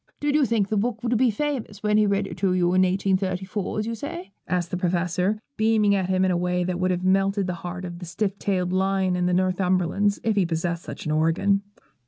'Did you think the book would be famous when he read it to you in 1834, as you say?' asked the Professor, beaming at him in a way that would have melted the heart of the stiff tailed lion of the Northumberlands, if he'd possessed such an organ.